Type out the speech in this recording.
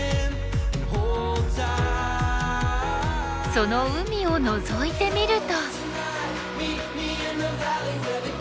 その海をのぞいてみると。